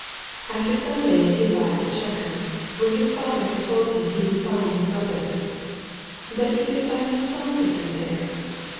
After some days he arrived at Shechem, where his father had told him he would find his brothers. But he could find no signs of them there.